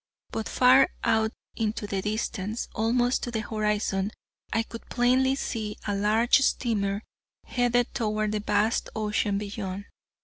But far out into the distance, almost to the horizon, I could plainly see a large steamer headed toward the vast ocean beyond.